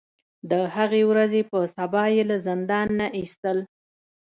د هغې ورځې په سبا یې له زندان نه ایستل.